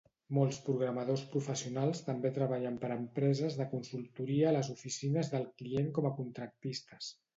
Molts programadors professionals també treballen per a empreses de consultoria a les oficines del client com a contractistes.